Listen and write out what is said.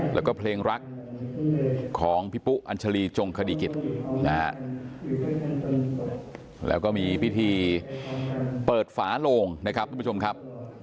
แล้วก็เพลงรักของพี่ปุ๊อัญชาลีจงคดีกิจนะฮะแล้วก็มีพิธีเปิดฝาโลงนะครับทุกผู้ชมครับ